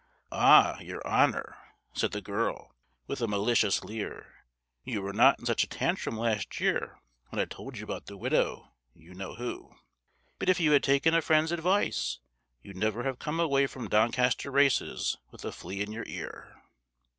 "Ah, your honour," said the girl, with a malicious leer, "you were not in such a tantrum last year when I told you about the widow you know who; but if you had taken a friend's advice, you'd never have come away from Doncaster races with a flea in your ear!"